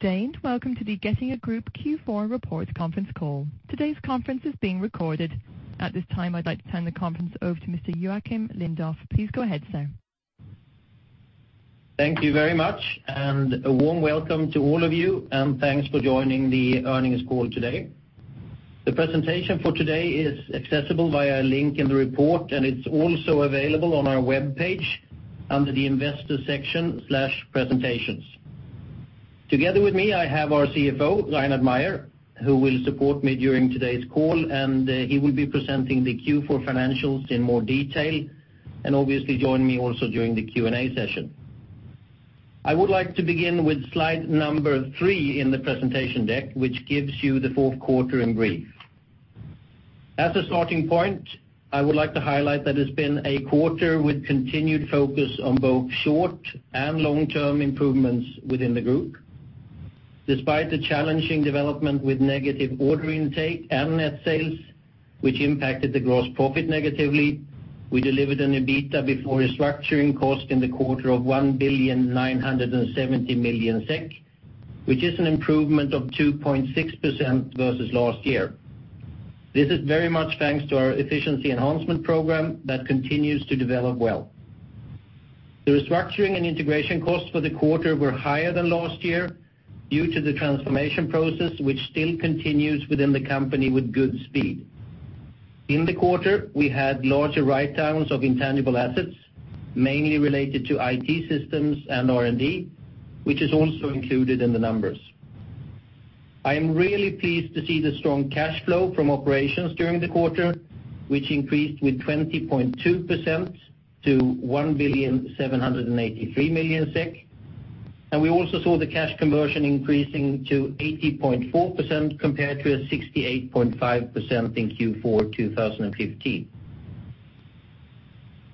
Good day, and welcome to the Getinge Group Q4 Report conference call. Today's conference is being recorded. At this time, I'd like to turn the conference over to Mr. Joacim Lindoff. Please go ahead, sir. Thank you very much, and a warm welcome to all of you, and thanks for joining the earnings call today. The presentation for today is accessible via a link in the report, and it's also available on our webpage under the Investor Section/Presentations. Together with me, I have our CFO, Reinhard Mayer, who will support me during today's call, and he will be presenting the Q4 financials in more detail, and obviously, join me also during the Q&A session. I would like to begin with slide number three in the presentation deck, which gives you the fourth quarter in brief. As a starting point, I would like to highlight that it's been a quarter with continued focus on both short and long-term improvements within the group. Despite the challenging development with negative order intake and net sales, which impacted the gross profit negatively, we delivered an EBITDA before restructuring cost in the quarter of 1,970 million SEK, which is an improvement of 2.6% versus last year. This is very much thanks to our Efficiency Enhancement Program that continues to develop well. The restructuring and integration costs for the quarter were higher than last year due to the transformation process, which still continues within the company with good speed. In the quarter, we had larger write-downs of intangible assets, mainly related to IT systems and R&D, which is also included in the numbers. I am really pleased to see the strong cash flow from operations during the quarter, which increased with 20.2% to 1,783 million SEK, and we also saw the cash conversion increasing to 80.4%, compared to a 68.5% in Q4 2015.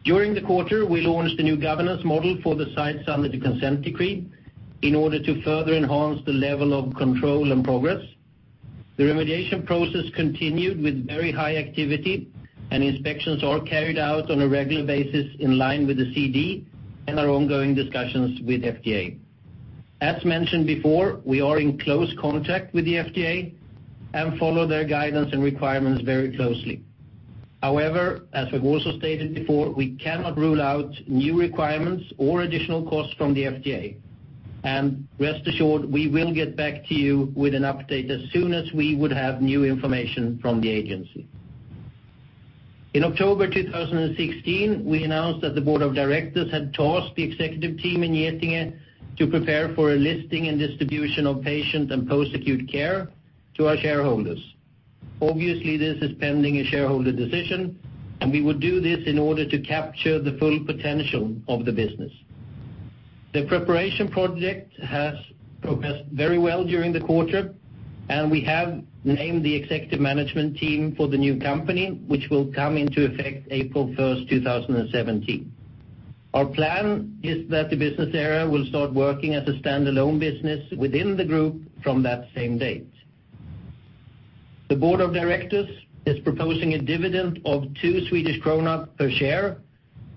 During the quarter, we launched a new governance model for the sites under the Consent Decree in order to further enhance the level of control and progress. The remediation process continued with very high activity, and inspections are carried out on a regular basis in line with the CD and our ongoing discussions with FDA. As mentioned before, we are in close contact with the FDA and follow their guidance and requirements very closely. However, as we've also stated before, we cannot rule out new requirements or additional costs from the FDA. Rest assured, we will get back to you with an update as soon as we would have new information from the agency. In October 2016, we announced that the board of directors had tasked the executive team in Getinge to prepare for a listing and distribution of Patient and Post-Acute Care to our shareholders. Obviously, this is pending a shareholder decision, and we would do this in order to capture the full potential of the business. The preparation project has progressed very well during the quarter, and we have named the executive management team for the new company, which will come into effect April 1st, 2017. Our plan is that the business area will start working as a standalone business within the group from that same date. The board of directors is proposing a dividend of 2 Swedish krona per share,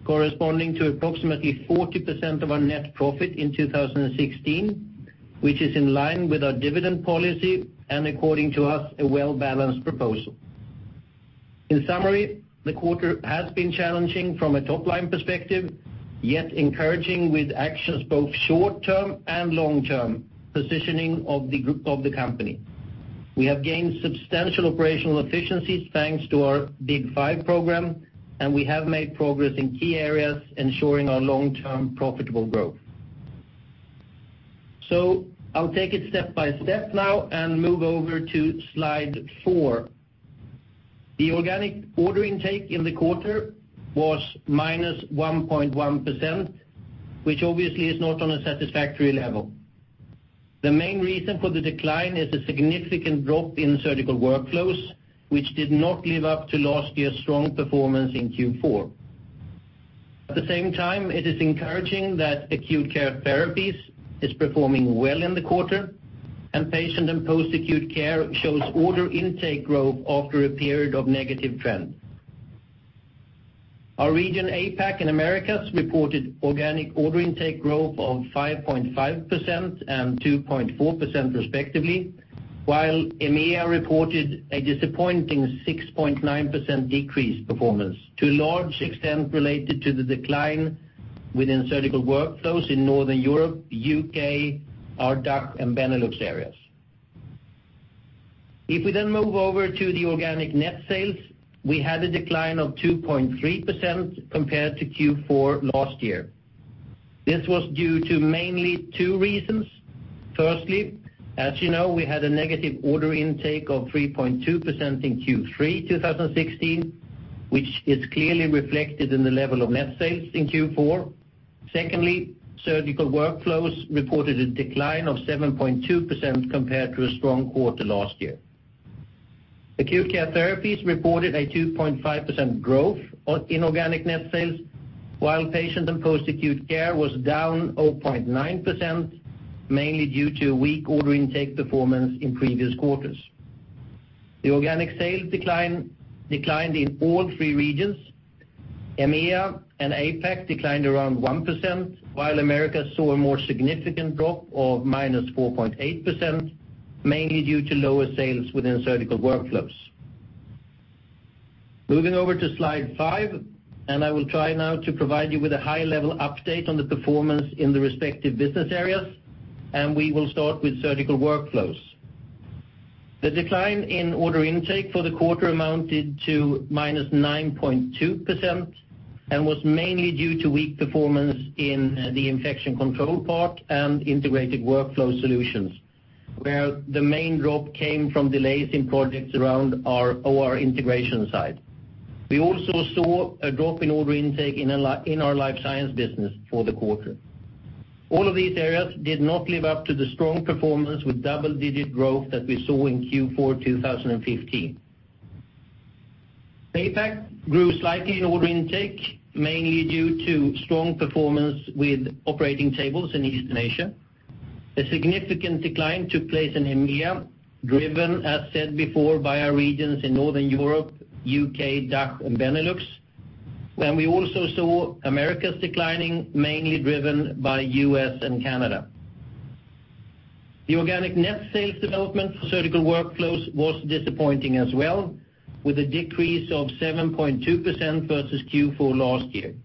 corresponding to approximately 40% of our net profit in 2016, which is in line with our dividend policy, and according to us, a well-balanced proposal. In summary, the quarter has been challenging from a top-line perspective, yet encouraging with actions, both short-term and long-term positioning of the group, of the company. We have gained substantial operational efficiencies, thanks to our Big 5 program, and we have made progress in key areas, ensuring our long-term profitable growth. So I'll take it step by step now and move over to slide 4. The organic order intake in the quarter was -1.1%, which obviously is not on a satisfactory level. The main reason for the decline is a significant drop in Surgical Workflows, which did not live up to last year's strong performance in Q4. At the same time, it is encouraging that Acute Care Therapies is performing well in the quarter, and Patient & Post-Acute Care shows order intake growth after a period of negative trend. Our region, APAC and Americas, reported organic order intake growth of 5.5% and 2.4%, respectively, while EMEA reported a disappointing 6.9% decrease performance, to a large extent related to the decline within Surgical Workflows in Northern Europe, U.K., our DACH, and Benelux areas. If we then move over to the organic net sales, we had a decline of 2.3% compared to Q4 last year. This was due to mainly two reasons. Firstly, as you know, we had a negative order intake of 3.2% in Q3 2016, which is clearly reflected in the level of net sales in Q4. Secondly, Surgical Workflows reported a decline of 7.2% compared to a strong quarter last year. Acute Care Therapies reported a 2.5% growth on inorganic net sales, while Patient & Post-Acute Care was down 0.9%, mainly due to a weak order intake performance in previous quarters. The organic sales decline in all three regions. EMEA and APAC declined around 1%, while Americas saw a more significant drop of -4.8%, mainly due to lower sales within Surgical Workflows. Moving over to slide five, and I will try now to provide you with a high-level update on the performance in the respective business areas, and we will start with Surgical Workflows. The decline in order intake for the quarter amounted to -9.2%, and was mainly due to weak performance in the Infection Control part and Integrated Workflow Solutions, where the main drop came from delays in projects around our OR Integration side. We also saw a drop in order intake in our Life Science business for the quarter. All of these areas did not live up to the strong performance with double-digit growth that we saw in Q4 2015. APAC grew slightly in order intake, mainly due to strong performance with operating tables in Eastern Asia. A significant decline took place in EMEA, driven, as said before, by our regions in Northern Europe, U.K., DACH, and Benelux. We also saw Americas declining, mainly driven by U.S. and Canada. The organic net sales development for Surgical Workflows was disappointing as well, with a decrease of 7.2% versus Q4 last year.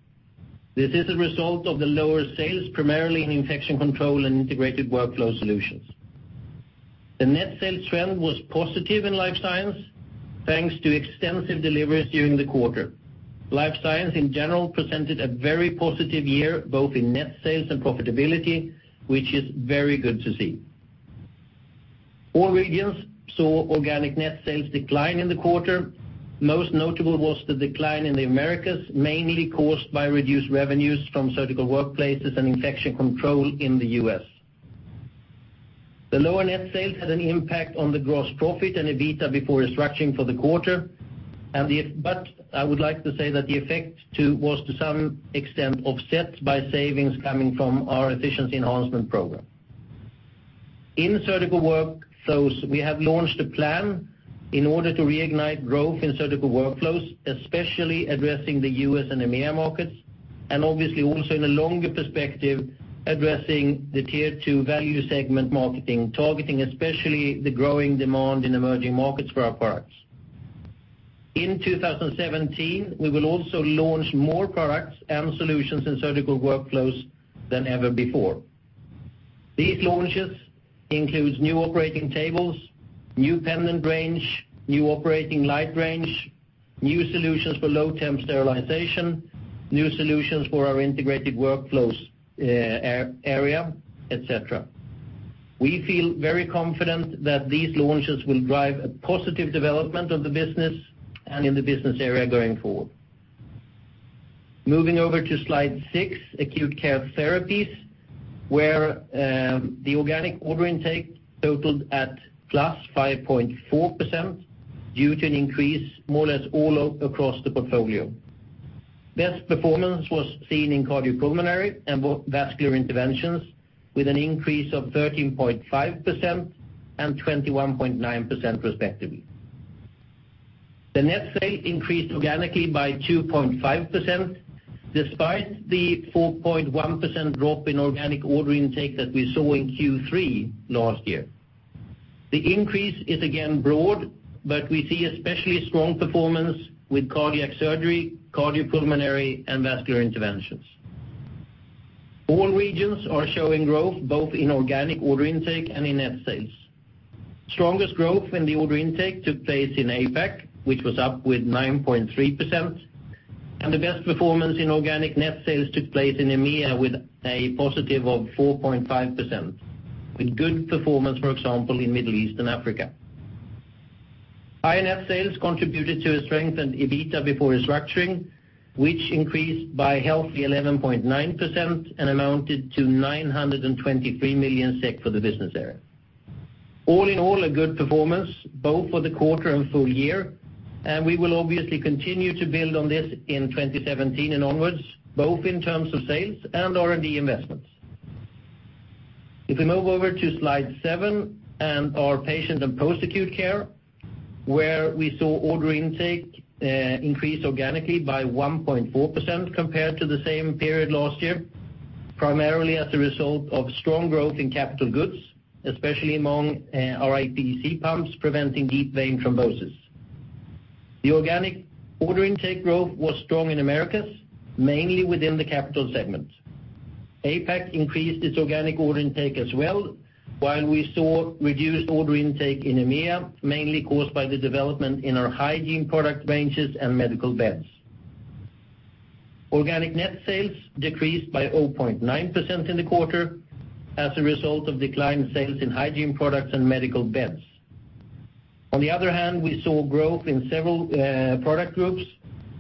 This is a result of the lower sales, primarily in Infection Control and Integrated Workflow Solutions. The net sales trend was positive in Life Science, thanks to extensive deliveries during the quarter. Life Science, in general, presented a very positive year, both in net sales and profitability, which is very good to see. All regions saw organic net sales decline in the quarter. Most notable was the decline in the Americas, mainly caused by reduced revenues from Surgical Workplaces and Infection Control in the U.S. The lower net sales had an impact on the gross profit and EBITDA before restructuring for the quarter, but I would like to say that the effect, too, was to some extent offset by savings coming from our efficiency enhancement program. In Surgical Workflows, we have launched a plan in order to reignite growth in Surgical Workflows, especially addressing the U.S. and EMEA markets, and obviously, also in a longer perspective, addressing the tier two value segment marketing, targeting especially the growing demand in emerging markets for our products. In 2017, we will also launch more products and solutions in Surgical Workflows than ever before. These launches includes new operating tables, new pendant range, new operating light range, new solutions for low-temperature sterilization, new solutions for our integrated workflows area, et cetera. We feel very confident that these launches will drive a positive development of the business and in the business area going forward. Moving over to slide six, Acute Care Therapies, where the organic order intake totaled +5.4% due to an increase more or less all across the portfolio. Best performance was seen in Cardiopulmonary and Vascular Interventions, with an increase of 13.5% and 21.9% respectively. The net sales increased organically by 2.5%, despite the 4.1% drop in organic order intake that we saw in Q3 last year. The increase is again broad, but we see especially strong performance with Cardiac Surgery, Cardiopulmonary, and Vascular Interventions. All regions are showing growth, both in organic order intake and in net sales. Strongest growth in the order intake took place in APAC, which was up with 9.3%, and the best performance in organic net sales took place in EMEA, with a positive of 4.5%, with good performance, for example, in Middle East and Africa. High net sales contributed to a strengthened EBITDA before restructuring, which increased by a healthy 11.9% and amounted to 923 million SEK for the business area. All in all, a good performance, both for the quarter and full year, and we will obviously continue to build on this in 2017 and onwards, both in terms of sales and R&D investments. If we move over to slide seven, and our Patient and Post-Acute Care, where we saw order intake increase organically by 1.4% compared to the same period last year, primarily as a result of strong growth in capital goods, especially among our IPC pumps, preventing deep vein thrombosis. The organic order intake growth was strong in Americas, mainly within the capital segment. APAC increased its organic order intake as well, while we saw reduced order intake in EMEA, mainly caused by the development in our hygiene product ranges and medical beds. Organic net sales decreased by 0.9% in the quarter as a result of declined sales in hygiene products and medical beds. On the other hand, we saw growth in several product groups,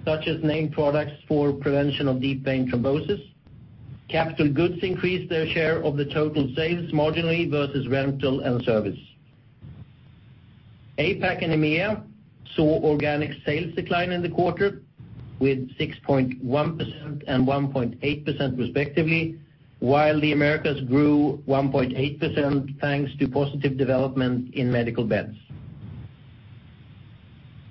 such as main products for prevention of deep vein thrombosis. Capital goods increased their share of the total sales marginally versus rental and service. APAC and EMEA saw organic sales decline in the quarter, with 6.1% and 1.8% respectively, while the Americas grew 1.8%, thanks to positive development in medical beds.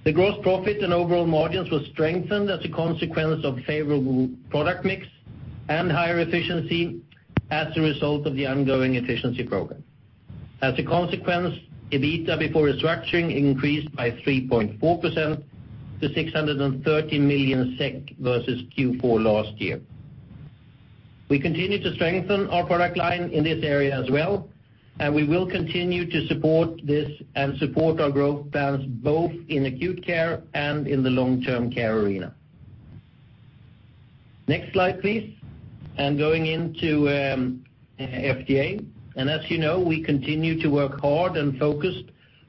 The gross profit and overall margins were strengthened as a consequence of favorable product mix and higher efficiency as a result of the ongoing efficiency program. As a consequence, EBITDA before restructuring increased by 3.4% to 630 million SEK versus Q4 last year. We continue to strengthen our product line in this area as well, and we will continue to support this and support our growth plans, both in Acute Care and in the long-term care arena. Next slide, please, and going into FDA. As you know, we continue to work hard and focused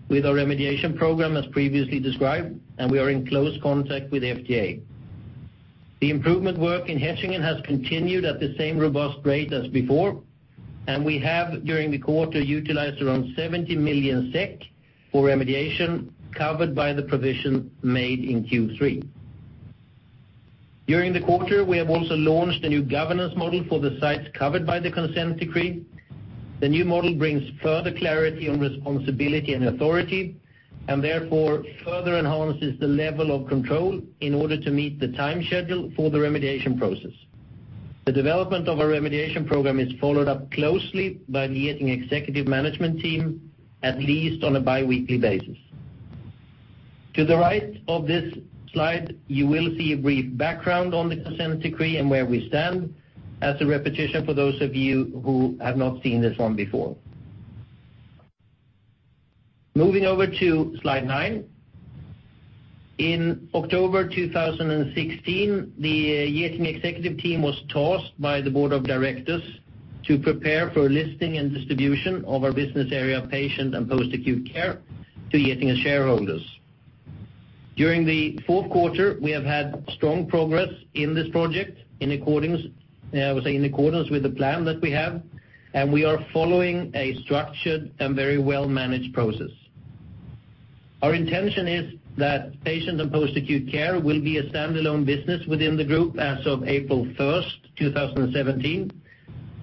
with our remediation program as previously described, and we are in close contact with FDA. The improvement work in Getinge has continued at the same robust rate as before, and we have, during the quarter, utilized around 70 million SEK for remediation, covered by the provision made in Q3. During the quarter, we have also launched a new governance model for the sites covered by the Consent Decree. The new model brings further clarity on responsibility and authority, and therefore, further enhances the level of control in order to meet the time schedule for the remediation process. The development of our remediation program is followed up closely by the Getinge executive management team, at least on a biweekly basis. To the right of this slide, you will see a brief background on the Consent Decree and where we stand as a repetition for those of you who have not seen this one before. Moving over to slide nine. In October 2016, the Getinge executive team was tasked by the board of directors to prepare for listing and distribution of our business area, Patient and Post-Acute Care, to Getinge shareholders. During the fourth quarter, we have had strong progress in this project, in accordance, I would say, in accordance with the plan that we have, and we are following a structured and very well-managed process. Our intention is that Patient and Post-Acute Care will be a standalone business within the group as of April 1st, 2017.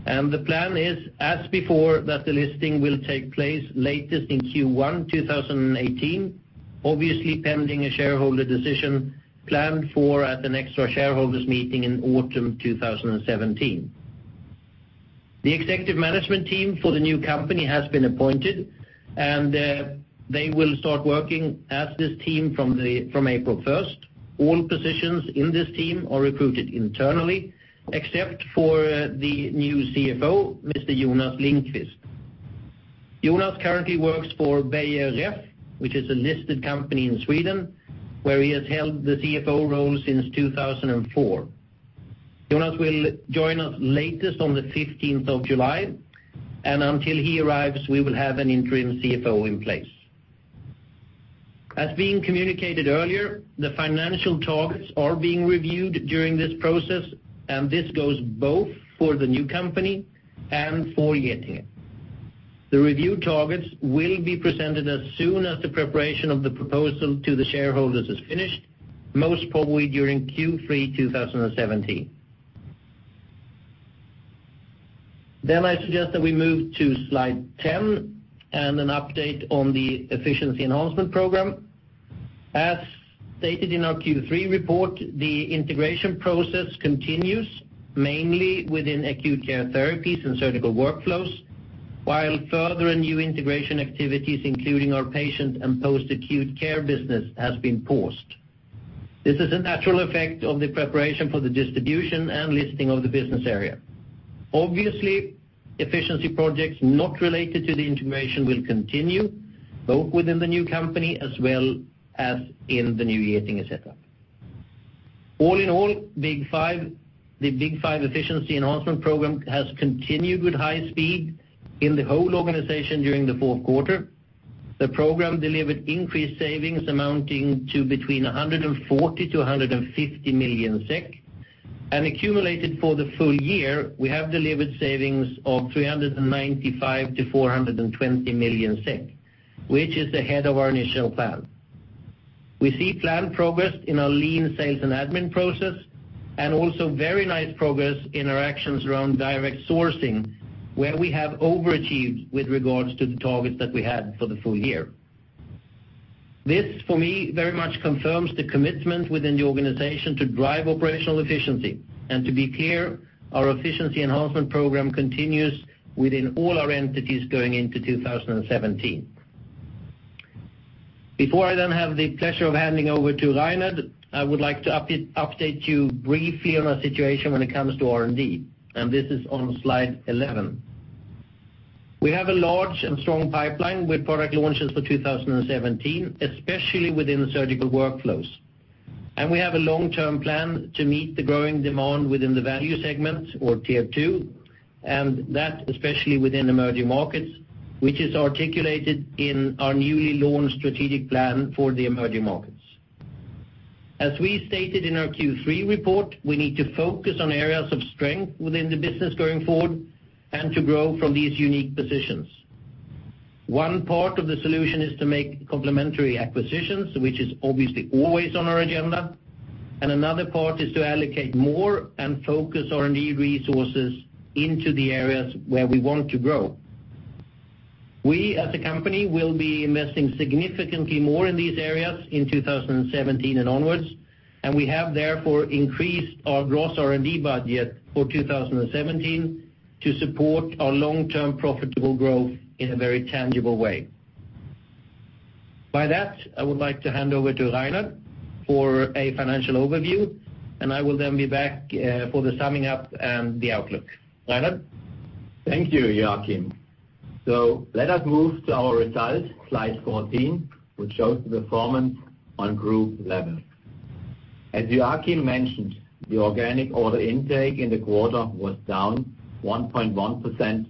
The plan is, as before, that the listing will take place latest in Q1 2018, obviously, pending a shareholder decision planned for at an extra shareholders meeting in autumn 2017. The executive management team for the new company has been appointed, and they will start working as this team from the, from April 1. All positions in this team are recruited internally, except for the new CFO, Mr. Jonas Lindqvist. Jonas currently works for Beijer Ref, which is a listed company in Sweden, where he has held the CFO role since 2004. Jonas will join us latest on July 15, and until he arrives, we will have an interim CFO in place. As being communicated earlier, the financial targets are being reviewed during this process, and this goes both for the new company and for Getinge. The review targets will be presented as soon as the preparation of the proposal to the shareholders is finished, most probably during Q3 2017. Then I suggest that we move to slide 10, and an update on the efficiency enhancement program. As stated in our Q3 report, the integration process continues, mainly within Acute Care Therapies and Surgical Workflows, while further and new integration activities, including our Patient & Post-Acute Care business, has been paused. This is a natural effect of the preparation for the distribution and listing of the business area. Obviously, efficiency projects not related to the integration will continue, both within the new company as well as in the new Getinge setup. All in all, Big 5, the Big 5 efficiency enhancement program has continued with high speed in the whole organization during the fourth quarter. The program delivered increased savings amounting to between 140 million SEK and 150 million SEK, and accumulated for the full year, we have delivered savings of 395 million-420 million SEK, which is ahead of our initial plan. We see planned progress in our lean sales and admin process, and also very nice progress in our actions around direct sourcing, where we have overachieved with regards to the targets that we had for the full year. This, for me, very much confirms the commitment within the organization to drive operational efficiency. And to be clear, our efficiency enhancement program continues within all our entities going into 2017. Before I then have the pleasure of handing over to Reinhard, I would like to update you briefly on our situation when it comes to R&D, and this is on slide 11. We have a large and strong pipeline with product launches for 2017, especially within the Surgical Workflows. And we have a long-term plan to meet the growing demand within the value segment or tier two, and that, especially within emerging markets, which is articulated in our newly launched strategic plan for the emerging markets. As we stated in our Q3 report, we need to focus on areas of strength within the business going forward and to grow from these unique positions. One part of the solution is to make complementary acquisitions, which is obviously always on our agenda, and another part is to allocate more and focus R&D resources into the areas where we want to grow. We, as a company, will be investing significantly more in these areas in 2017 and onwards, and we have, therefore, increased our gross R&D budget for 2017 to support our long-term profitable growth in a very tangible way. By that, I would like to hand over to Reinhard for a financial overview, and I will then be back for the summing up and the outlook. Reinhard? Thank you, Joacim. So let us move to our results, slide 14, which shows the performance on group level. As Joacim mentioned, the organic order intake in the quarter was down 1.1%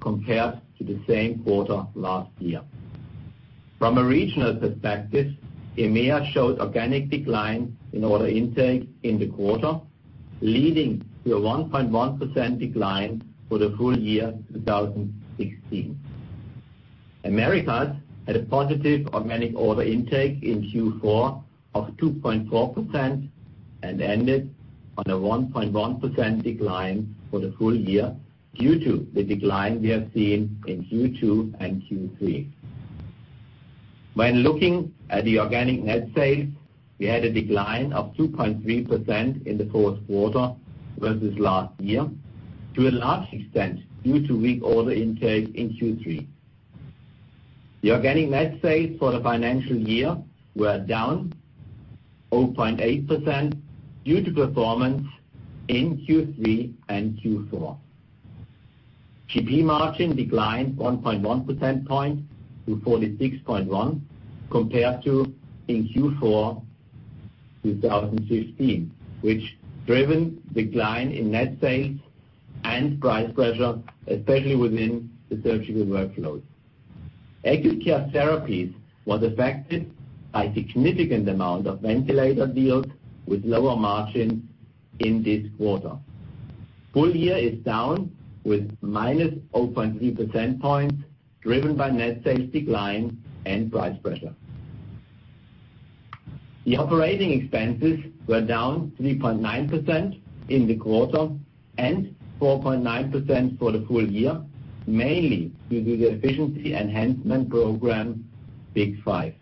compared to the same quarter last year. From a regional perspective, EMEA showed organic decline in order intake in the quarter, leading to a 1.1% decline for the full year, 2016. Americas had a positive organic order intake in Q4 of 2.4% and ended on a 1.1% decline for the full year due to the decline we have seen in Q2 and Q3. When looking at the organic net sales, we had a decline of 2.3% in the fourth quarter versus last year, to a large extent, due to weak order intake in Q3. The organic net sales for the financial year were down 0.8% due to performance in Q3 and Q4. GP margin declined 1.1 percentage points to 46.1, compared to in Q4 2015, which driven decline in net sales and price pressure, especially within the Surgical Workflows. Acute Care Therapies was affected by significant amount of ventilator deals with lower margin in this quarter. Full year is down with -0.3 percentage points, driven by net sales decline and price pressure. The operating expenses were down 3.9% in the quarter, and 4.9% for the full year, mainly due to the efficiency enhancement program, Big 5.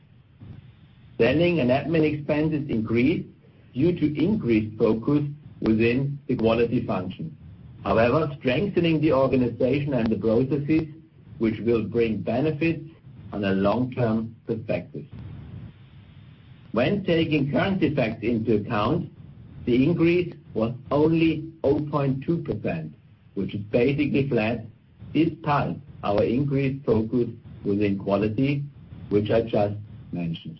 Selling and admin expenses increased due to increased focus within the quality function. However, strengthening the organization and the processes, which will bring benefits on a long-term perspective. When taking current effects into account, the increase was only 0.2%, which is basically flat, despite our increased focus within quality, which I just mentioned.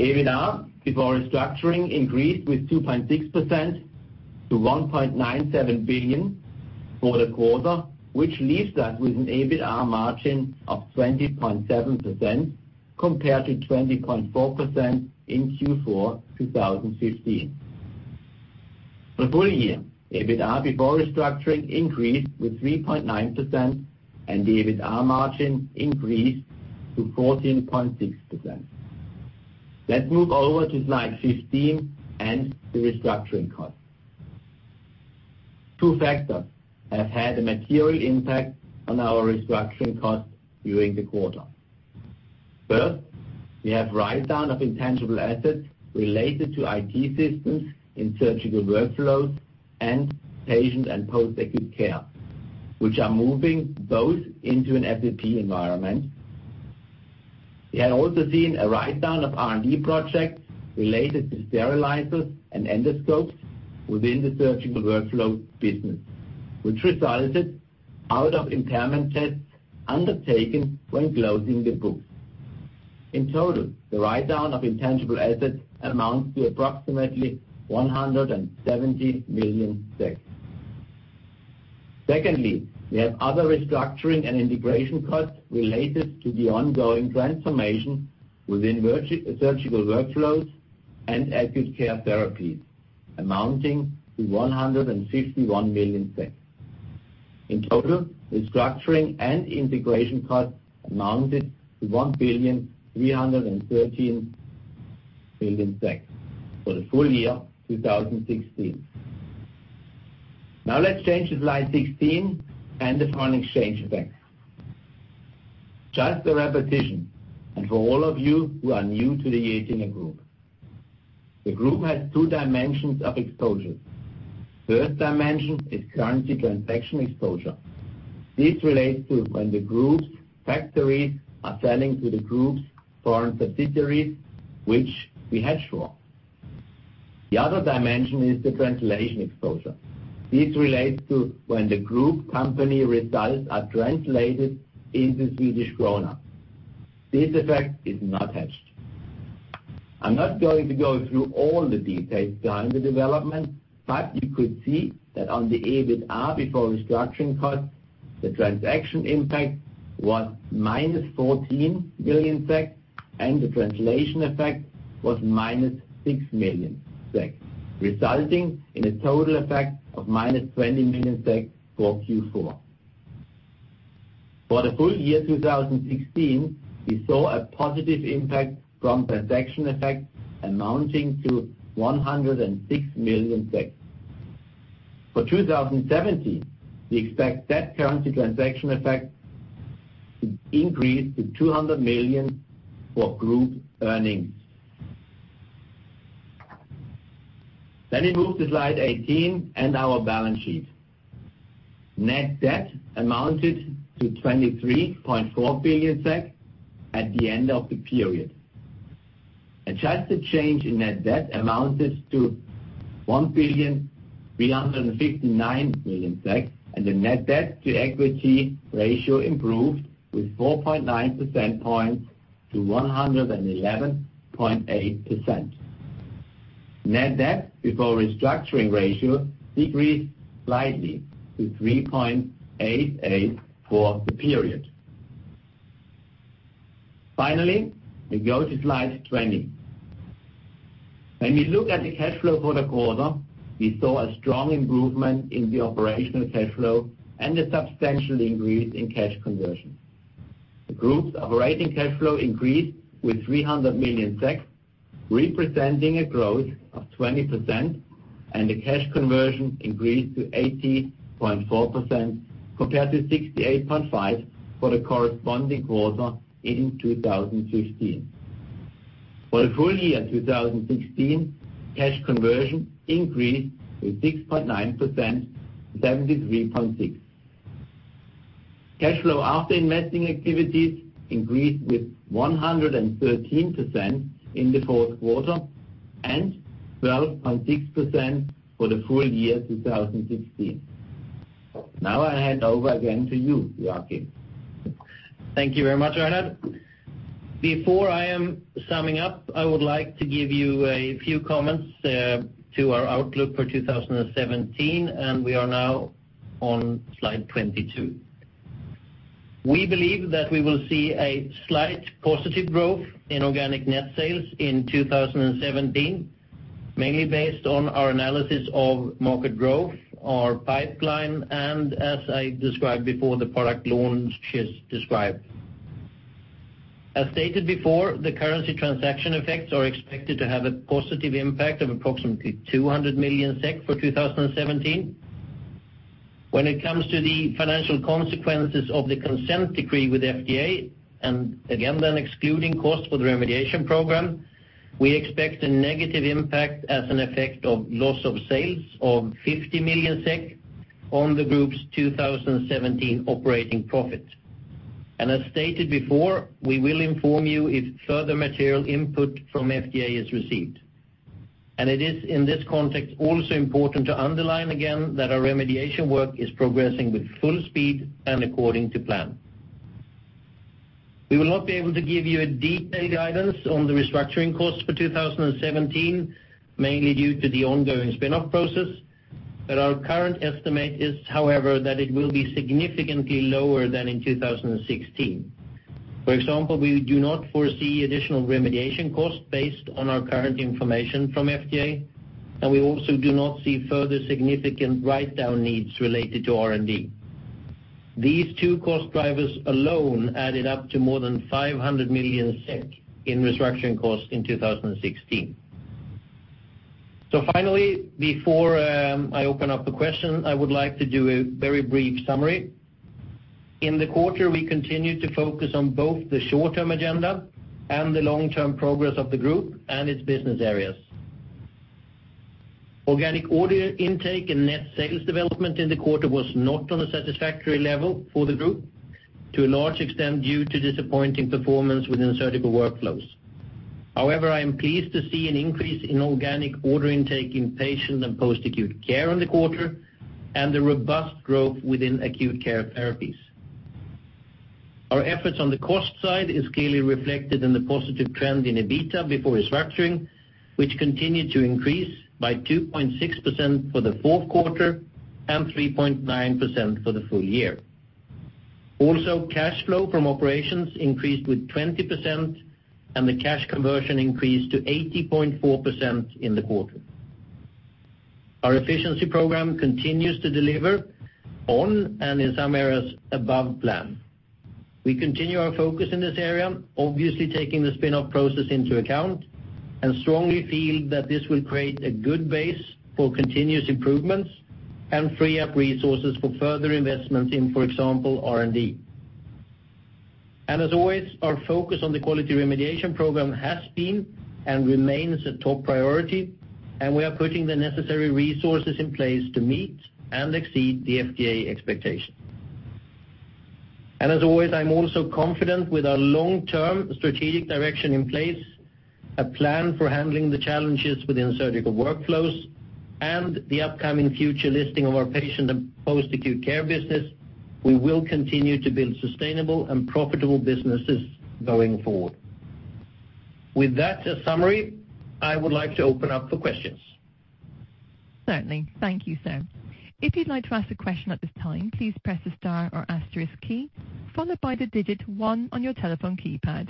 EBITDA before restructuring increased with 2.6% to 1.97 billion for the quarter, which leaves us with an EBITDA margin of 20.7% compared to 20.4% in Q4 2015. The full year, EBITDA before restructuring increased with 3.9%, and the EBITDA margin increased to 14.6%. Let's move over to slide 15 and the restructuring cost. Two factors have had a material impact on our restructuring costs during the quarter. First, we have write-down of intangible assets related to IT systems in Surgical Workflows and Patient & Post-Acute Care, which are moving both into an SAP environment. We have also seen a write-down of R&D projects related to sterilizers and endoscopes within the Surgical Workflows business, which resulted out of impairment tests undertaken when closing the book. In total, the write-down of intangible assets amounts to approximately 170 million. Secondly, we have other restructuring and integration costs related to the ongoing transformation within Surgical Workflows and Acute Care Therapies, amounting to 151 million. In total, restructuring and integration costs amounted to 1,313 million for the full year 2016. Now, let's change to slide 16 and the foreign exchange effect. Just a repetition, and for all of you who are new to the Getinge Group. The group has two dimensions of exposure. First dimension is currency transaction exposure. This relates to when the group's factories are selling to the group's foreign subsidiaries, which we hedge for. The other dimension is the translation exposure. This relates to when the group company results are translated into Swedish krona. This effect is not hedged. I'm not going to go through all the details behind the development, but you could see that on the EBITDA before restructuring costs, the transaction impact was -14 million and the translation effect was -6 million, resulting in a total effect of -20 million for Q4. For the full year, 2016, we saw a positive impact from transaction effect amounting to 106 million. For 2017, we expect that currency transaction effect to increase to 200 million for group earnings. Let me move to slide 18 and our balance sheet. Net debt amounted to 23.4 billion SEK at the end of the period. Adjusted change in net debt amounted to 1,359 million, and the net debt to equity ratio improved with 4.9 percentage points to 111.8%. Net debt before restructuring ratio decreased slightly to 3.88 for the period. Finally, we go to slide 20. When we look at the cash flow for the quarter, we saw a strong improvement in the operational cash flow and a substantial increase in cash conversion. The group's operating cash flow increased with 300 million, representing a growth of 20%, and the cash conversion increased to 80.4%, compared to 68.5% for the corresponding quarter in 2015. For the full year, 2016, cash conversion increased to 6.9%, 73.6. Cash flow after investing activities increased with 113% in the fourth quarter, and 12.6% for the full year, 2016. Now I hand over again to you, Joacim. Thank you very much, Reinhard. Before I am summing up, I would like to give you a few comments to our outlook for 2017, and we are now on slide 22. We believe that we will see a slight positive growth in organic net sales in 2017, mainly based on our analysis of market growth, our pipeline, and as I described before, the product launch just described. As stated before, the currency transaction effects are expected to have a positive impact of approximately 200 million SEK for 2017. When it comes to the financial consequences of the Consent Decree with FDA, and again, then excluding costs for the remediation program, we expect a negative impact as an effect of loss of sales of 50 million SEK on the group's 2017 operating profit. As stated before, we will inform you if further material input from FDA is received. It is, in this context, also important to underline again, that our remediation work is progressing with full speed and according to plan. We will not be able to give you a detailed guidance on the restructuring costs for 2017, mainly due to the ongoing spin-off process. Our current estimate is, however, that it will be significantly lower than in 2016. For example, we do not foresee additional remediation costs based on our current information from FDA, and we also do not see further significant write-down needs related to R&D. These two cost drivers alone added up to more than 500 million SEK in restructuring costs in 2016. So finally, before I open up the question, I would like to do a very brief summary. In the quarter, we continued to focus on both the short-term agenda and the long-term progress of the group and its business areas. Organic order intake and net sales development in the quarter was not on a satisfactory level for the group, to a large extent due to disappointing performance within Surgical Workflows. However, I am pleased to see an increase in organic order intake in Patient and Post-Acute Care in the quarter, and a robust growth within Acute Care Therapies. Our efforts on the cost side is clearly reflected in the positive trend in EBITDA before restructuring, which continued to increase by 2.6% for the fourth quarter and 3.9% for the full year. Also, cash flow from operations increased with 20%, and the cash conversion increased to 80.4% in the quarter. Our efficiency program continues to deliver on, and in some areas, above plan. We continue our focus in this area, obviously taking the spin-off process into account, and strongly feel that this will create a good base for continuous improvements and free up resources for further investments in, for example, R&D. And as always, our focus on the quality remediation program has been and remains a top priority, and we are putting the necessary resources in place to meet and exceed the FDA expectation. As always, I'm also confident with our long-term strategic direction in place, a plan for handling the challenges within Surgical Workflows, and the upcoming future listing of our Patient and Post-Acute Care business, we will continue to build sustainable and profitable businesses going forward. With that as summary, I would like to open up for questions. Certainly. Thank you, sir. If you'd like to ask a question at this time, please press the star or asterisk key, followed by the digit one on your telephone keypad.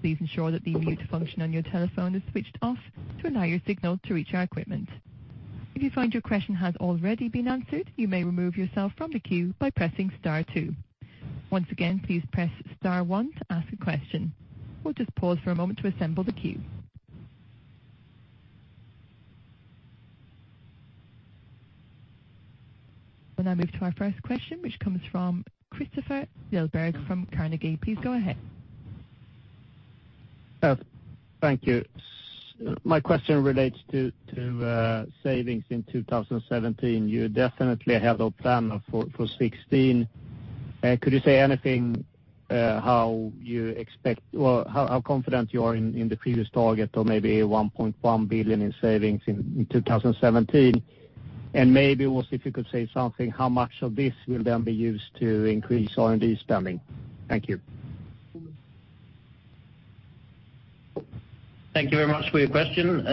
Please ensure that the mute function on your telephone is switched off to allow your signal to reach our equipment. If you find your question has already been answered, you may remove yourself from the queue by pressing star two. Once again, please press star one to ask a question. We'll just pause for a moment to assemble the queue. We'll now move to our first question, which comes from Kristofer Liljeberg from Carnegie. Please go ahead. Yes, thank you. My question relates to, to, savings in 2017. You definitely have a plan for, for 2016. Could you say anything, how you expect or how, how confident you are in, in the previous target or maybe 1.1 billion in savings in, in 2017? And maybe also if you could say something, how much of this will then be used to increase R&D spending? Thank you. Thank you very much for your question.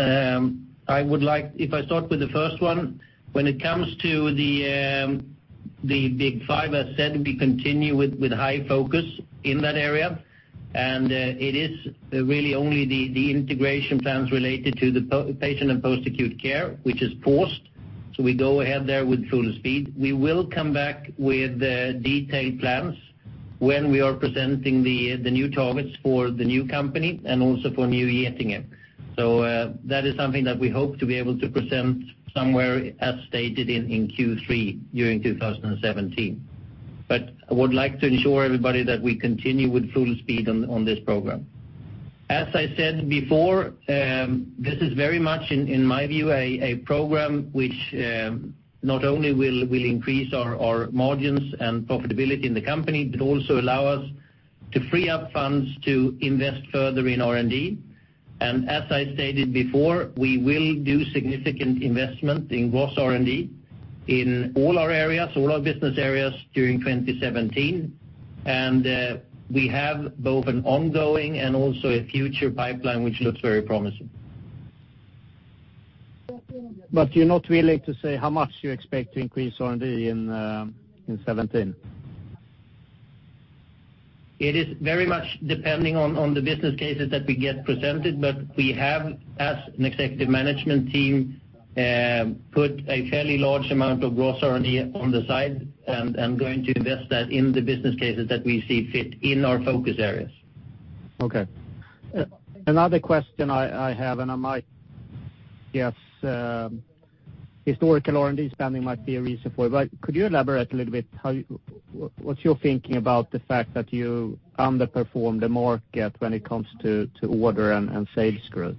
I would like, if I start with the first one, when it comes to the Big 5, as said, we continue with high focus in that area, and it is really only the integration plans related to the Patient and Post-Acute Care, which is paused. So we go ahead there with full speed. We will come back with detailed plans when we are presenting the new targets for the new company and also for new Getinge. So, that is something that we hope to be able to present somewhere as stated in Q3, during 2017. But I would like to ensure everybody that we continue with full speed on this program. As I said before, this is very much, in, in my view, a, a program which, not only will, will increase our, our margins and profitability in the company, but also allow us to free up funds to invest further in R&D. As I stated before, we will do significant investment in gross R&D in all our areas, all our business areas, during 2017. We have both an ongoing and also a future pipeline, which looks very promising. But you're not willing to say how much you expect to increase R&D in 2017? It is very much depending on the business cases that we get presented, but we have, as an executive management team, put a fairly large amount of gross R&D on the side and going to invest that in the business cases that we see fit in our focus areas. Okay. Another question I have, and I might guess historical R&D spending might be a reason for it, but could you elaborate a little bit how... What's your thinking about the fact that you underperformed the market when it comes to order and sales growth?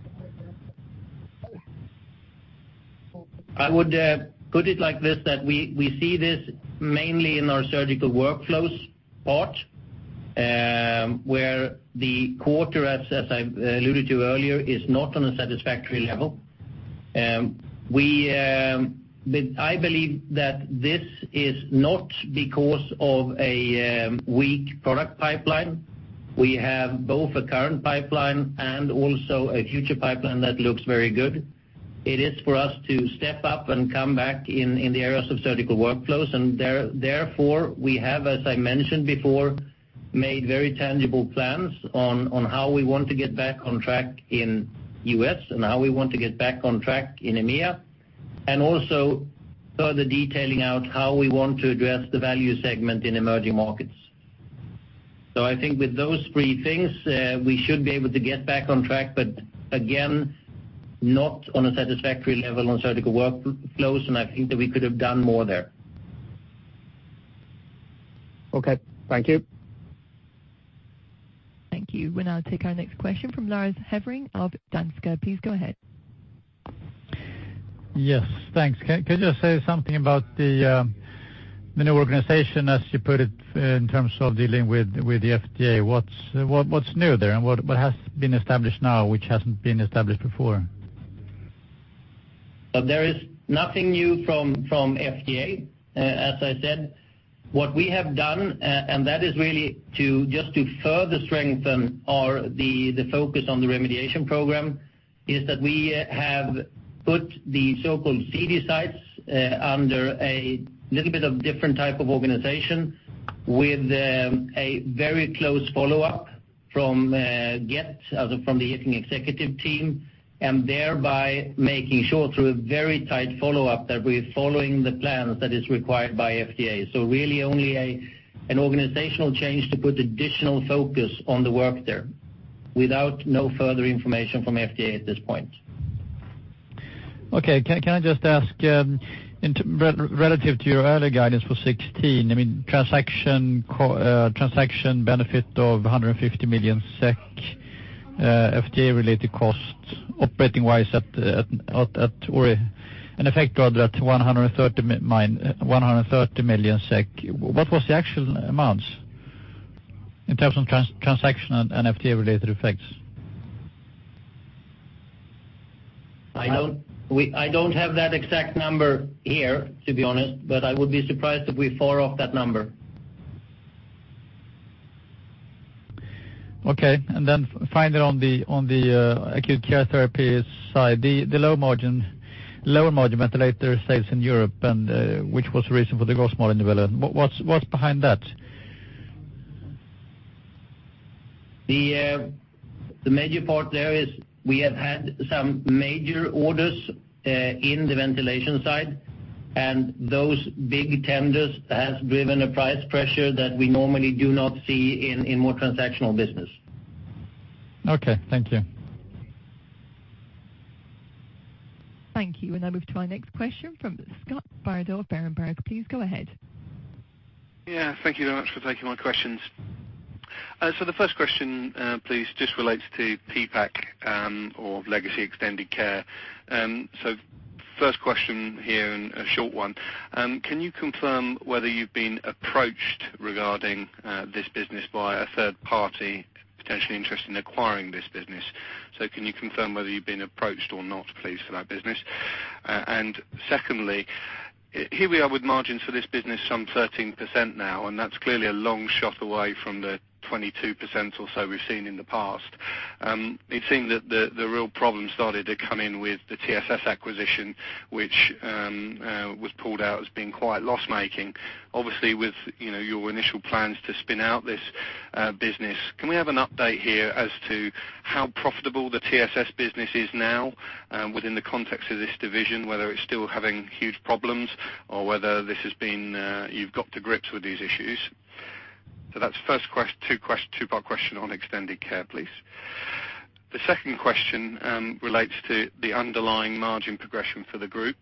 I would put it like this, that we see this mainly in our Surgical Workflows part, where the quarter, as I alluded to earlier, is not on a satisfactory level. We but I believe that this is not because of a weak product pipeline. We have both a current pipeline and also a future pipeline that looks very good. It is for us to step up and come back in the areas of Surgical Workflows, and therefore, we have, as I mentioned before, made very tangible plans on how we want to get back on track in U.S. and how we want to get back on track in EMEA, and also further detailing out how we want to address the value segment in emerging markets. I think with those three things, we should be able to get back on track, but again, not on a satisfactory level on Surgical Workflows, and I think that we could have done more there. Okay. Thank you. Thank you. We'll now take our next question from Lars Hevreng of Danske. Please go ahead. Yes, thanks. Can you just say something about the new organization, as you put it, in terms of dealing with the FDA? What's new there, and what has been established now, which hasn't been established before? There is nothing new from FDA. As I said, what we have done, and that is really to just further strengthen our focus on the remediation program, is that we have put the so-called CD sites under a little bit of different type of organization, with a very close follow-up from Getinge as from the Getinge executive team, and thereby making sure, through a very tight follow-up, that we're following the plans that is required by FDA. So really only an organizational change to put additional focus on the work there, without no further information from FDA at this point. Okay. Can I just ask, in relative to your earlier guidance for 2016, I mean, transaction benefit of 150 million SEK, FDA-related costs, operating-wise at, or in effect, rather, at 130 million SEK. What was the actual amounts in terms of transaction and FDA-related effects? I don't have that exact number here, to be honest, but I would be surprised if we're far off that number. Okay, and then finally, on the Acute Care Therapy side, the low margin, lower margin ventilator sales in Europe, and which was the reason for the gross margin development. What's behind that? The major part there is we have had some major orders in the ventilation side, and those big tenders has driven a price pressure that we normally do not see in more transactional business. Okay, thank you. Thank you. And now move to our next question from Scott Bardo of Berenberg. Please go ahead. Yeah, thank you very much for taking my questions. So the first question, please, just relates to PPAC, or legacy extended care. So first question here, and a short one, can you confirm whether you've been approached regarding this business by a third party potentially interested in acquiring this business? So can you confirm whether you've been approached or not, please, for that business? And secondly, here we are with margins for this business, some 13% now, and that's clearly a long shot away from the 22% or so we've seen in the past. It seemed that the real problem started to come in with the TSS acquisition, which was pulled out as being quite loss-making. Obviously, with, you know, your initial plans to spin out this business, can we have an update here as to how profitable the TSS business is now within the context of this division, whether it's still having huge problems or whether this has been, you've got to grips with these issues? So that's a two-part question on extended care, please. The second question relates to the underlying margin progression for the group.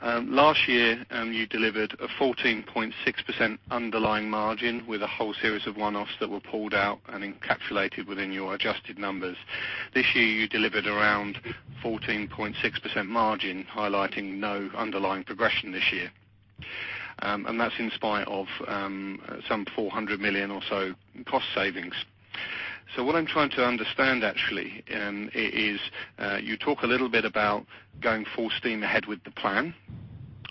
Last year, you delivered a 14.6% underlying margin with a whole series of one-offs that were pulled out and encapsulated within your adjusted numbers. This year, you delivered around 14.6% margin, highlighting no underlying progression this year. And that's in spite of some 400 million or so cost savings. What I'm trying to understand, actually, is you talk a little bit about going full steam ahead with the plan.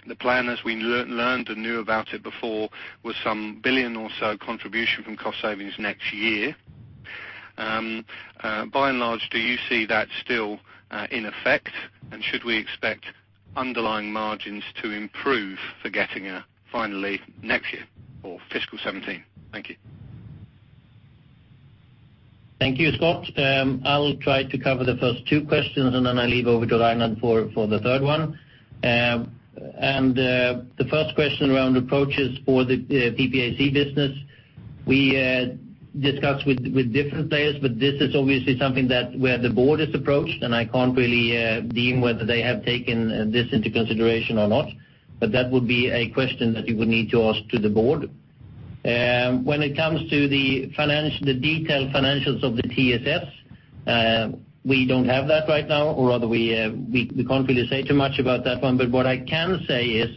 The plan, as we learned and knew about it before, was 1 billion or so contribution from cost savings next year. By and large, do you see that still in effect, and should we expect underlying margins to improve for Getinge finally next year or fiscal 2017? Thank you. Thank you, Scott. I will try to cover the first two questions, and then I'll leave over to Reinhard for the third one. And the first question around approaches for the PPAC business, we discussed with different players, but this is obviously something that where the board is approached, and I can't really deem whether they have taken this into consideration or not, but that would be a question that you would need to ask to the board. When it comes to the financial, the detailed financials of the TSS, we don't have that right now, or rather, we can't really say too much about that one. What I can say is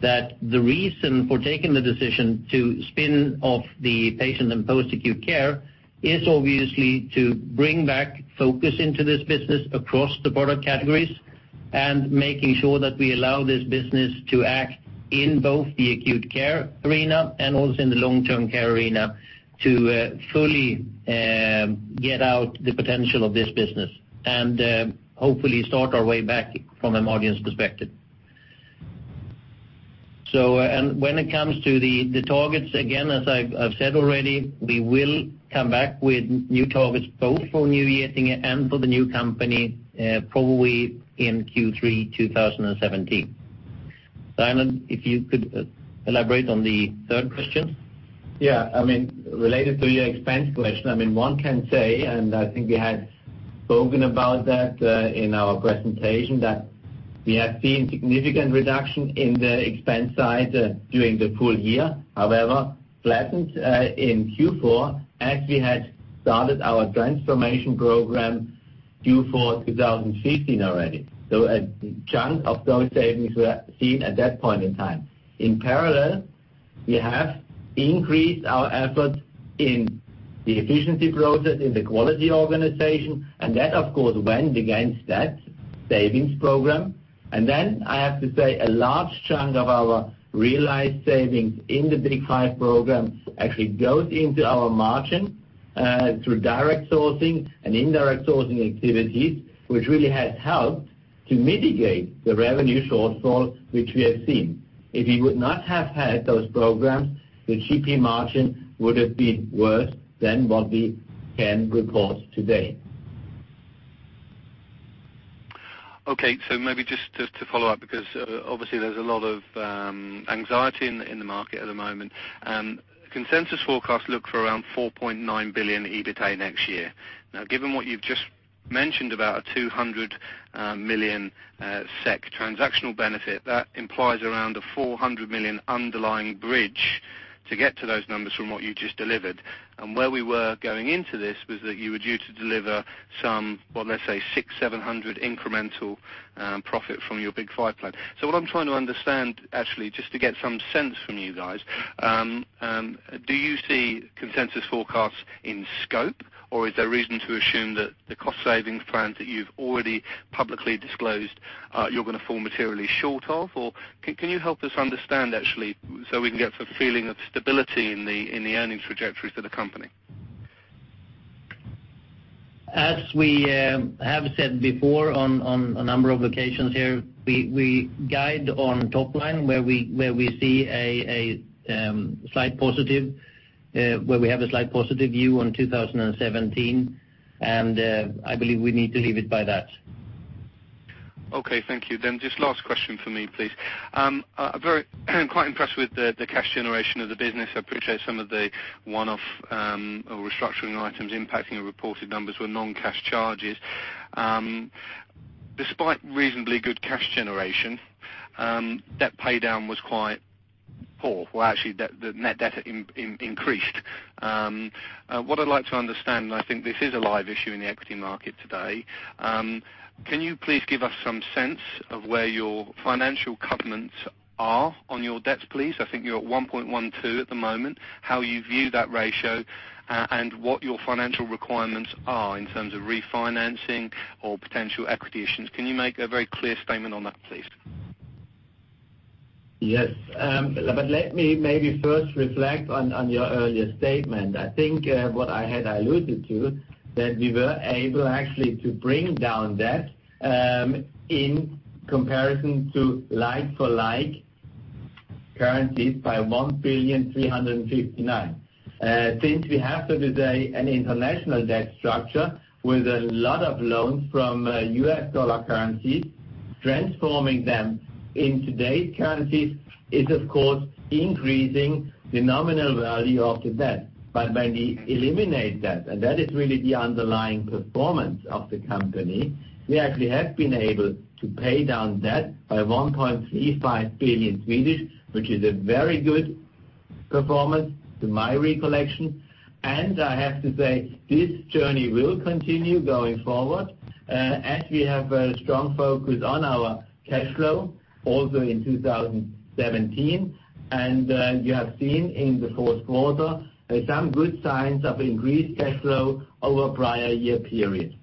that the reason for taking the decision to spin off the Patient and Post-Acute Care is obviously to bring back focus into this business across the product categories and making sure that we allow this business to act in both the Acute Care arena and also in the long-term care arena, to fully get out the potential of this business and, hopefully start our way back from a margin perspective. When it comes to the targets, again, as I've said already, we will come back with new targets, both for New Getinge and for the new company, probably in Q3 2017. Reinhard, if you could elaborate on the third question. Yeah, I mean, related to your expense question, I mean, one can say, and I think we had spoken about that, in our presentation, that we have seen significant reduction in the expense side during the full year. However, flattened, in Q4, as we had started our transformation program, Q4, 2015 already. So a chunk of those savings were seen at that point in time. In parallel, we have increased our efforts in the efficiency process, in the quality organization, and that, of course, went against that savings program. And then, I have to say, a large chunk of our realized savings in the Big 5 programs actually goes into our margin, through direct sourcing and indirect sourcing activities, which really has helped to mitigate the revenue shortfall, which we have seen. If we would not have had those programs, the GP margin would have been worse than what we can report today. Okay, so maybe just to follow up, because obviously there's a lot of anxiety in the market at the moment. Consensus forecasts look for around 4.9 billion EBITDA next year. Now, given what you've just mentioned about a 200 million SEK transactional benefit, that implies around a 400 million underlying bridge to get to those numbers from what you just delivered. And where we were going into this was that you were due to deliver some, well, let's say 600-700 incremental profit from your Big 5 plan. So what I'm trying to understand, actually, just to get some sense from you guys, do you see consensus forecasts in scope? Or is there reason to assume that the cost savings plans that you've already publicly disclosed, you're gonna fall materially short of? Can you help us understand actually, so we can get a feeling of stability in the earnings trajectory for the company? As we have said before on a number of occasions here, we guide on top line where we see a slight positive, where we have a slight positive view on 2017, and I believe we need to leave it by that. Okay, thank you. Then just last question for me, please. I'm very, quite impressed with the cash generation of the business. I appreciate some of the one-off, or restructuring items impacting the reported numbers were non-cash charges. Despite reasonably good cash generation, debt paydown was quite poor. Well, actually, the net debt increased. What I'd like to understand, and I think this is a live issue in the equity market today, can you please give us some sense of where your financial covenants are on your debts, please? I think you're at 1.12 at the moment. How you view that ratio, and what your financial requirements are in terms of refinancing or potential equity issues? Can you make a very clear statement on that, please? Yes, but let me maybe first reflect on your earlier statement. I think what I had alluded to, that we were able actually to bring down debt in comparison to like for like currencies by 1.359 billion. Since we have today an international debt structure with a lot of loans from U.S. dollar currencies, transforming them in today's currencies is, of course, increasing the nominal value of the debt. But when we eliminate that, and that is really the underlying performance of the company, we actually have been able to pay down debt by 1.35 billion, which is a very good performance, to my recollection. And I have to say, this journey will continue going forward as we have a strong focus on our cash flow also in 2017. You have seen in the fourth quarter some good signs of increased cash flow over prior year period.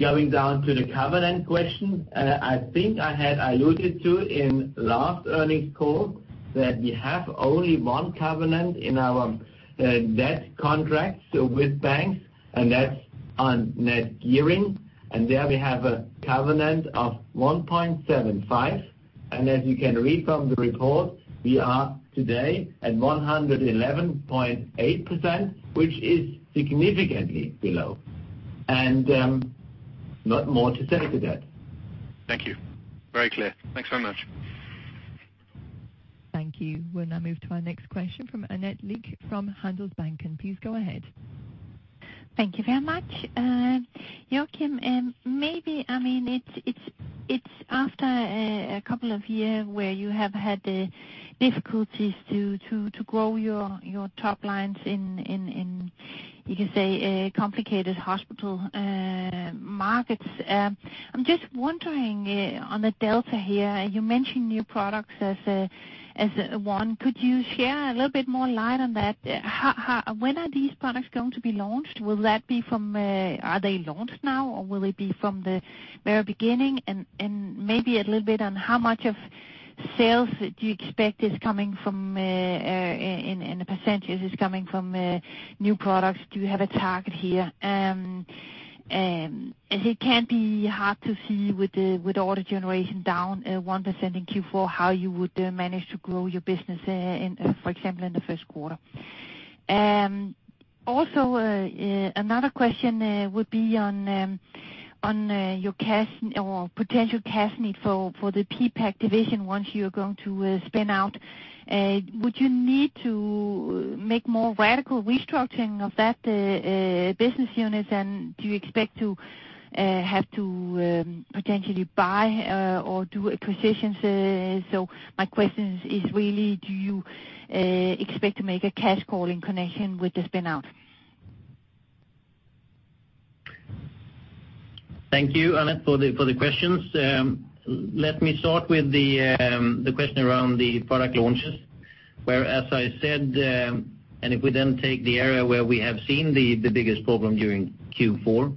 Going down to the covenant question, I think I had alluded to in last earnings call, that we have only one covenant in our debt contracts with banks, and that's on Net Gearing, and there we have a covenant of 1.75. As you can read from the report, we are today at 111.8%, which is significantly below, and not more to say to that. Thank you. Very clear. Thanks so much. Thank you. We'll now move to our next question from Annette Lykke from Handelsbanken. Please go ahead. Thank you very much. Joacim, maybe, I mean, it's after a couple of years where you have had the difficulties to grow your top lines in, you can say, a complicated hospital markets. I'm just wondering, on the delta here, you mentioned new products as one. Could you share a little bit more light on that? How, when are these products going to be launched? Will that be from... Are they launched now, or will it be from the very beginning? And maybe a little bit on how much of sales do you expect is coming from, in a percentage, is coming from new products. Do you have a target here? As it can be hard to see with the, with order generation down 1% in Q4, how you would manage to grow your business, in, for example, in the first quarter. Also, another question would be on, on your cash or potential cash need for, for the PPAC division once you're going to spin out. Would you need to make more radical restructuring of that business unit, and do you expect to have to potentially buy, or do acquisitions? So my question is really: do you expect to make a cash call in connection with the spin out? Thank you, Annette, for the questions. Let me start with the question around the product launches, where, as I said, and if we then take the area where we have seen the biggest problem during Q4,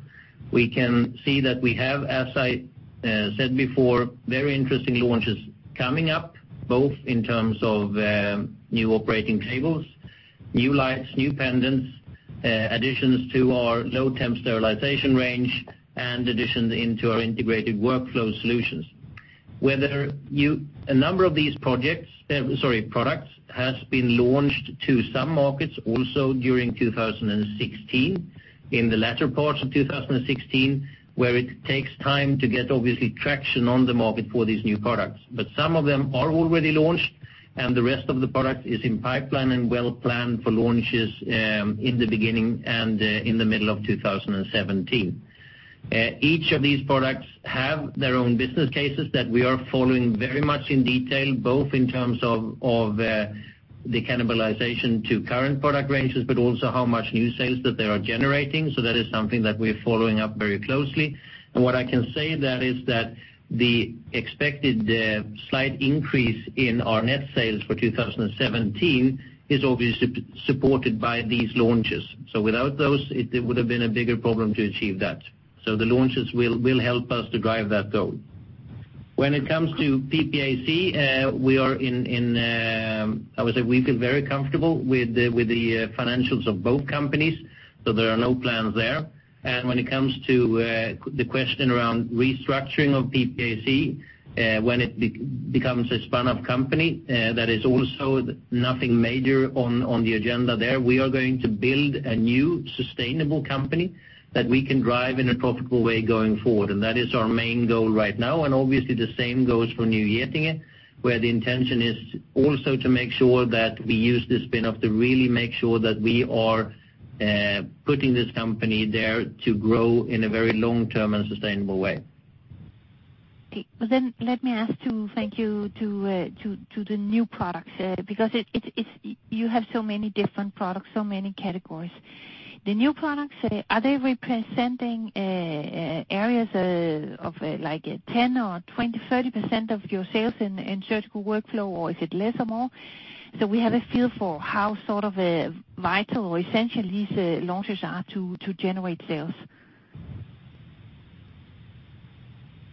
we can see that we have, as I said before, very interesting launches coming up, both in terms of new operating tables, new lights, new pendants, additions to our low-temp sterilization range, and additions into our integrated workflow solutions. Whether you-- A number of these projects, sorry, products, has been launched to some markets also during 2016, in the latter parts of 2016, where it takes time to get obviously traction on the market for these new products. But some of them are already launched, and the rest of the product is in pipeline and well planned for launches, in the beginning and in the middle of 2017. Each of these products have their own business cases that we are following very much in detail, both in terms of the cannibalization to current product ranges, but also how much new sales that they are generating. So that is something that we're following up very closely. And what I can say there is that the expected slight increase in our net sales for 2017 is obviously supported by these launches. So without those, it would have been a bigger problem to achieve that. So the launches will help us to drive that goal. When it comes to PPAC, we are in, I would say we feel very comfortable with the financials of both companies, so there are no plans there. When it comes to the question around restructuring of PPAC, when it becomes a spun-off company, that is also nothing major on the agenda there. We are going to build a new, sustainable company that we can drive in a profitable way going forward, and that is our main goal right now. And obviously, the same goes for New Getinge, where the intention is also to make sure that we use this spin-off to really make sure that we are putting this company there to grow in a very long-term and sustainable way. Okay. Well, then let me ask to thank you to the new products, because it, it's-- you have so many different products, so many categories. The new products are they representing areas of like 10 or 20, 30% of your sales in Surgical Workflows, or is it less or more? So we have a feel for how sort of vital or essential these launches are to generate sales.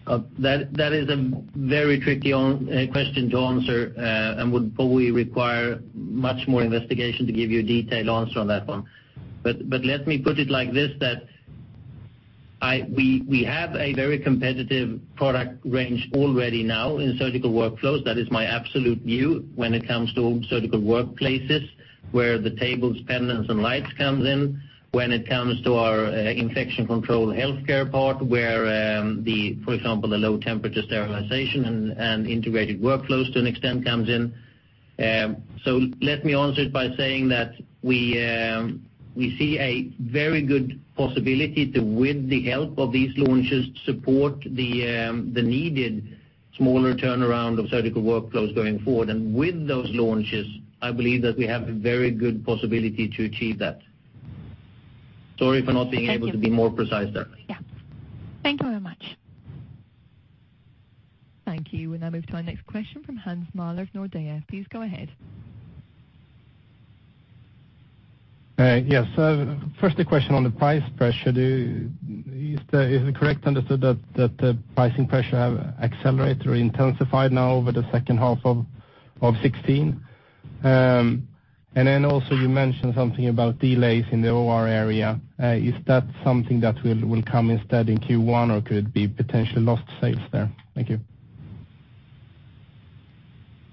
That is a very tricky one to answer and would probably require much more investigation to give you a detailed answer on that one. But let me put it like this, that we have a very competitive product range already now in Surgical Workflows. That is my absolute view when it comes to Surgical Workplaces, where the tables, pendants, and lights comes in. When it comes to our Infection Control healthcare part, where, for example, the low-temperature sterilization and integrated workflows to an extent comes in. So let me answer it by saying that we see a very good possibility to, with the help of these launches, support the needed smaller turnaround of Surgical Workflows going forward. With those launches, I believe that we have a very good possibility to achieve that. Sorry for not being able to be more precise there. Yeah. Thank you very much. Thank you. We'll now move to our next question from Hans Mähler of Nordea. Please go ahead. Yes. So first, a question on the price pressure. Is it correctly understood that the pricing pressure has accelerated or intensified now over the second half of 2016? And then also you mentioned something about delays in the OR area. Is that something that will come instead in Q1, or could it be potentially lost sales there? Thank you.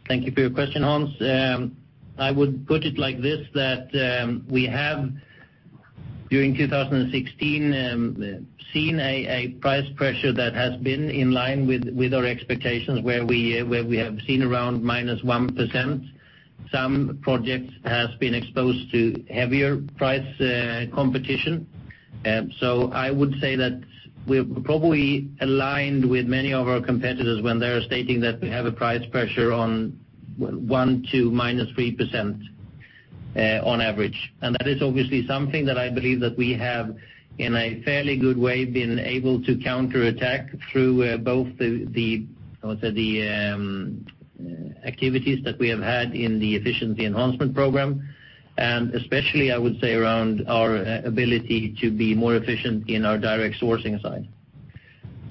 Thank you for your question, Hans. I would put it like this, that we have, during 2016, seen a price pressure that has been in line with our expectations, where we have seen around -1%. Some projects has been exposed to heavier price competition. So I would say that we're probably aligned with many of our competitors when they're stating that we have a price pressure on 1% to -3%, on average. And that is obviously something that I believe that we have, in a fairly good way, been able to counterattack through both the, the, I would say, the activities that we have had in the efficiency enhancement program, and especially, I would say, around our ability to be more efficient in our direct sourcing side.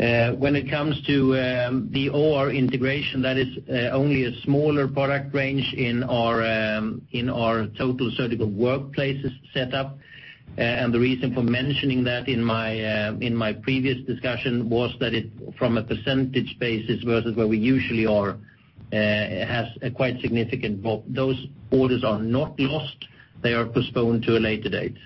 When it comes to the OR Integration, that is only a smaller product range in our total Surgical Workplaces setup. And the reason for mentioning that in my previous discussion was that it, from a percentage basis versus where we usually are, has a quite significant... Those orders are not lost, they are postponed to a later date.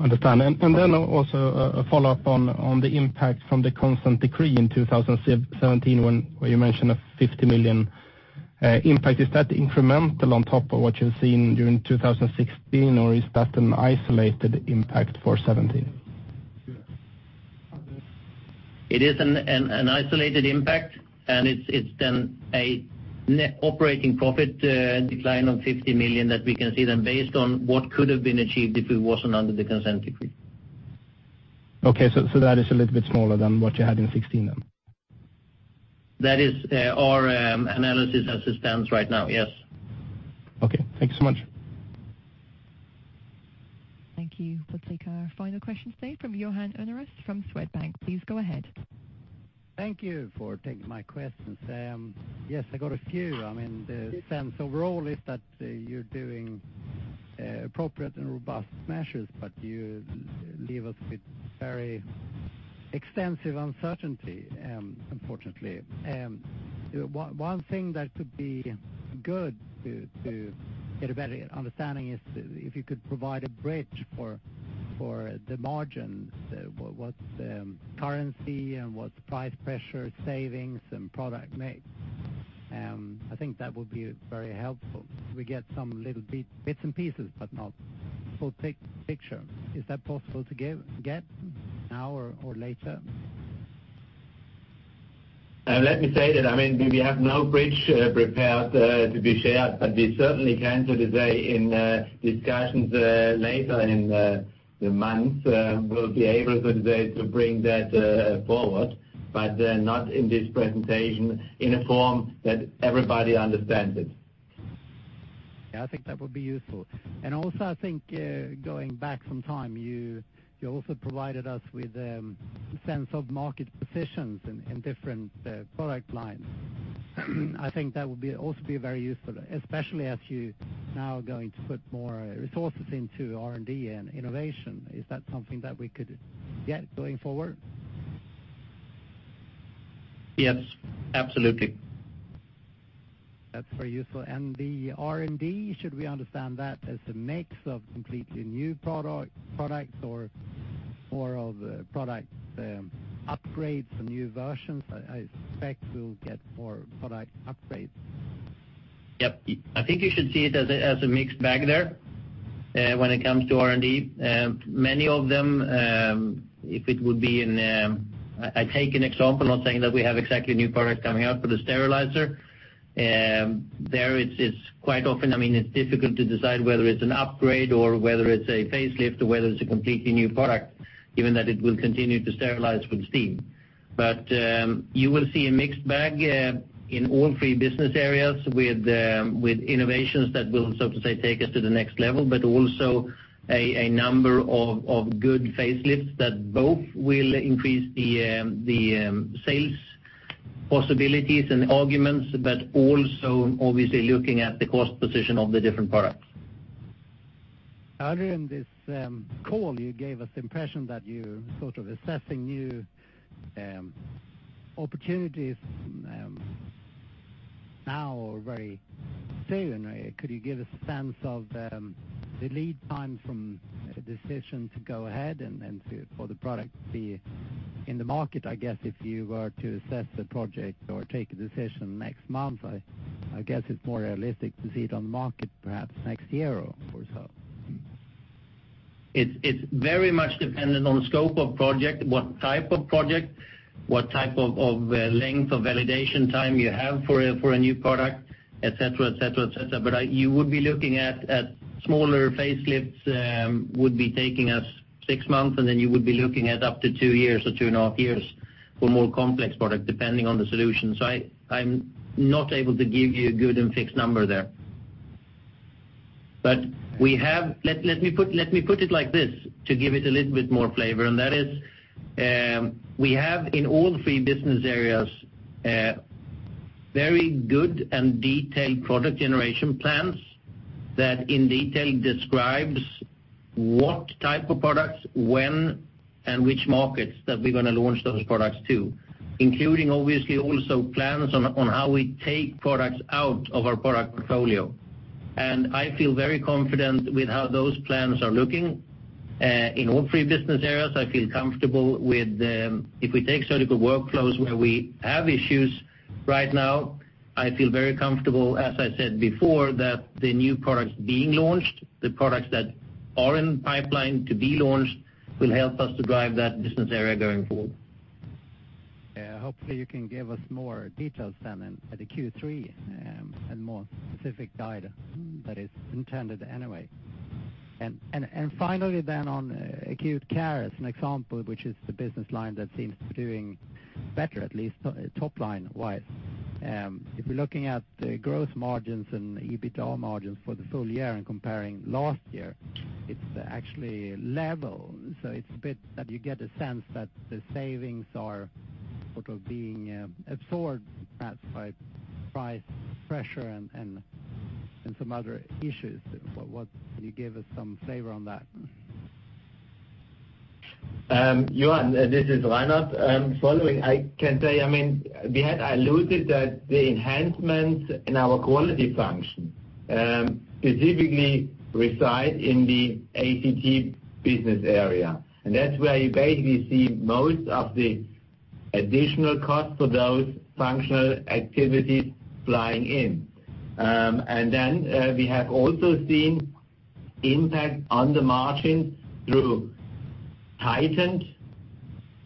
Understand. And, and then also a follow-up on, on the impact from the Consent Decree in 2017, when, where you mentioned a 50 million impact. Is that incremental on top of what you've seen during 2016, or is that an isolated impact for 2017? It is an isolated impact, and it's then a net operating profit decline of 50 million that we can see then, based on what could have been achieved if it wasn't under the Consent Decree. Okay, so that is a little bit smaller than what you had in 2016, then? That is, our analysis as it stands right now, yes. Okay, thank you so much. Thank you. We'll take our final question today from Johan Unnérus from Swedbank. Please go ahead. Thank you for taking my questions. Yes, I got a few. I mean, the sense overall is that you're doing appropriate and robust measures, but you leave us with very extensive uncertainty, unfortunately. One thing that could be good to get a better understanding is if you could provide a bridge for the margins, what currency and what price pressure, savings, and product mix. I think that would be very helpful. We get some little bits and pieces, but not full picture. Is that possible to give now or later? Let me say that, I mean, we have no bridge prepared to be shared, but we certainly can today in discussions later in the months. We'll be able to today to bring that forward, but not in this presentation in a form that everybody understands it.... Yeah, I think that would be useful. And also, I think, going back some time, you also provided us with a sense of market positions in different product lines. I think that would be also be very useful, especially as you're now going to put more resources into R&D and innovation. Is that something that we could get going forward? Yes, absolutely. That's very useful. The R&D, should we understand that as a mix of completely new product, products, or more of the product, upgrades and new versions? I expect we'll get more product upgrades. Yep. I think you should see it as a, as a mixed bag there, when it comes to R&D. Many of them, if it would be in... I take an example of saying that we have exactly new products coming out for the sterilizer. There, it's, it's quite often, I mean, it's difficult to decide whether it's an upgrade or whether it's a facelift or whether it's a completely new product, given that it will continue to sterilize with steam. But, you will see a mixed bag, in all three business areas with, with innovations that will, so to say, take us to the next level, but also a, a number of, of good facelifts that both will increase the, the, sales possibilities and arguments, but also obviously looking at the cost position of the different products. Earlier in this call, you gave us the impression that you're sort of assessing new opportunities now or very soon. Could you give a sense of the lead time from a decision to go ahead and for the product to be in the market? I guess if you were to assess the project or take a decision next month, I guess it's more realistic to see it on the market perhaps next year or so. It's very much dependent on the scope of project, what type of project, what type of length of validation time you have for a new product, et cetera, et cetera, et cetera. But you would be looking at smaller facelifts would be taking us six months, and then you would be looking at up to two years or two and a half years for more complex product, depending on the solution. So I'm not able to give you a good and fixed number there. But we have... Let me put it like this to give it a little bit more flavor, and that is, we have in all three business areas, very good and detailed product generation plans that in detail describes what type of products, when, and which markets that we're gonna launch those products to, including obviously also plans on how we take products out of our product portfolio. And I feel very confident with how those plans are looking. In all three business areas, I feel comfortable with, if we take Surgical Workflows where we have issues right now, I feel very comfortable, as I said before, that the new products being launched, the products that are in pipeline to be launched, will help us to drive that business area going forward. Yeah, hopefully you can give us more details then at the Q3, and more specific guidance that is intended anyway. And finally, then on Acute Care, as an example, which is the business line that seems to be doing better, at least top line-wise. If you're looking at the gross margins and EBITDA margins for the full year and comparing last year, it's actually level. So it's a bit that you get a sense that the savings are sort of being absorbed, perhaps, by price pressure and some other issues. What can you give us some flavor on that? Johan, this is Reinhard. Following, I can say, I mean, we had alluded that the enhancements in our quality function specifically reside in the ACT business area, and that's where you basically see most of the additional costs for those functional activities flying in. And then we have also seen impact on the margins through tightened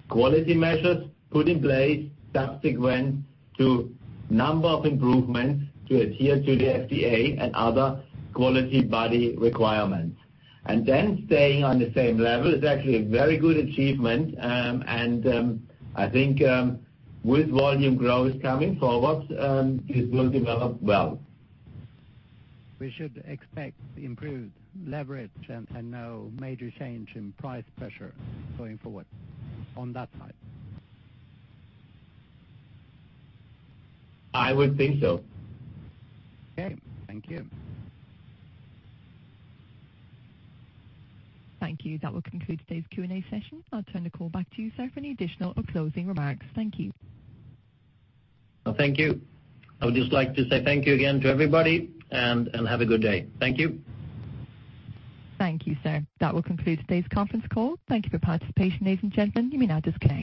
quality measures put in place subsequent to number of improvements to adhere to the FDA and other quality body requirements. And then staying on the same level is actually a very good achievement. And I think with volume growth coming forward, it will develop well. We should expect improved leverage and no major change in price pressure going forward on that side? I would think so. Okay. Thank you. Thank you. That will conclude today's Q&A session. I'll turn the call back to you, Sir, for any additional or closing remarks. Thank you. Well, thank you. I would just like to say thank you again to everybody, and have a good day. Thank you. Thank you, Sir. That will conclude today's conference call. Thank you for participation, ladies and gentlemen. You may now disconnect.